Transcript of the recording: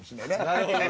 なるほどね。